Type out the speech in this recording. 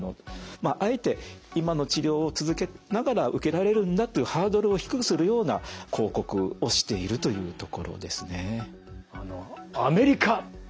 まああえて今の治療を続けながら受けられるんだというハードルを低くするような広告をしているというところですね。